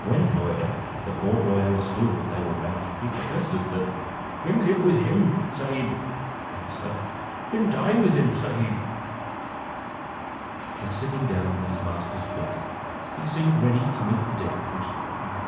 When, however, the poor boy understood what they were about, he protested, that—"Him live with him sahib (master)—him die with him sahib;" and sitting down at his master's feet, he seemed ready to meet the death which threatened him.